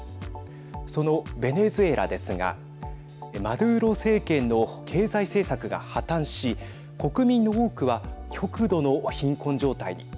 そのベネズエラですがマドゥーロ政権の経済政策が破綻し国民の多くは極度の貧困状態に。